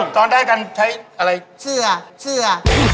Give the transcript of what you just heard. ตอนได้กันใช้อะไรเสื้อเสื้อ